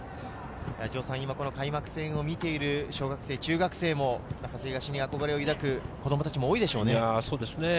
開幕戦を見ている小学生、中学生も中津東に憧れを抱く子供たちも多いでしょうね。